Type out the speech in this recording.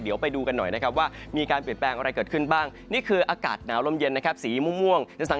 ทั้งหมดก็จะทำให้บริเวณดังกล่าวนั้นมีอากาศเย็นต่อเนื่องและการมีอากาศเย็นต่อเนื่องแบบนี้เองนะครับ